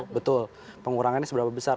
betul pengurangannya seberapa besar